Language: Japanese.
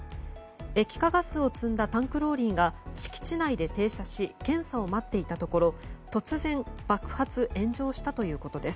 液化ガスを積んだタンクローリーが敷地内で停車し検査を待っていたところ突然爆発・炎上したということです。